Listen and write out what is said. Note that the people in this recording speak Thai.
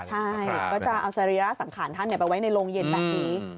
ใช่ก็จะเอาสรีระสังขารท่านไปไว้ในโรงเย็นแบบนี้